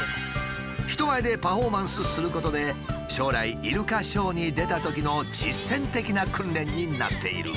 人前でパフォーマンスすることで将来イルカショーに出たときの実践的な訓練になっている。